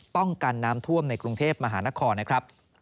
ป้องกันน้ำท่วมในกรุงเทพมหานครนะครับ